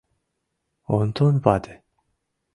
Онтон вате.